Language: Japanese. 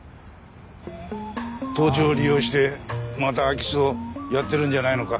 盗聴を利用してまた空き巣をやっているんじゃないのか？